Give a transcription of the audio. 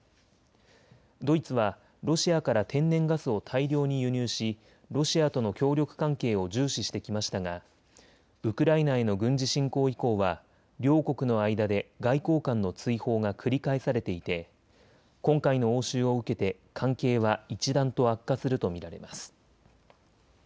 ドイツはロシアから天然ガスを大量に輸入しロシアとの協力関係を重視してきましたがウクライナへの軍事侵攻以降は両国の間で外交官の追放が繰り返されていて今回の応酬を受けて関係は一段と悪化すると見られます。